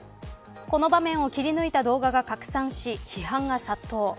この場面を切り抜いた動画が拡散し批判が殺到。